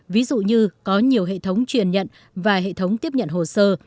ví dụ như có nhiều hệ thống truyền nhận và hệ thống tiếp nhận hồ sơ